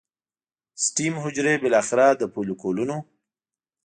سټیم حجرې بالاخره د فولیکونو